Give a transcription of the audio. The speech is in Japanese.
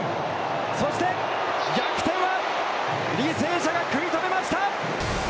そして逆転は履正社が食い止めました。